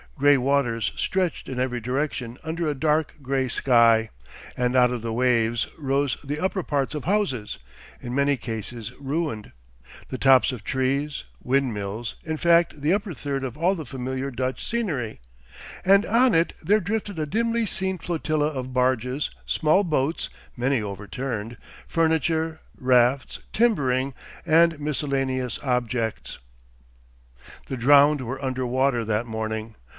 Gray waters stretched in every direction under a dark gray sky, and out of the waves rose the upper parts of houses, in many cases ruined, the tops of trees, windmills, in fact the upper third of all the familiar Dutch scenery; and on it there drifted a dimly seen flotilla of barges, small boats, many overturned, furniture, rafts, timbering, and miscellaneous objects. The drowned were under water that morning.